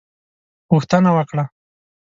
غوښتنه وکړه.